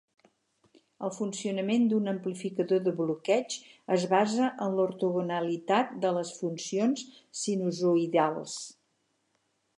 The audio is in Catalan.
El funcionament d'un amplificador de bloqueig es basa en l'ortogonalitat de les funcions sinusoïdals.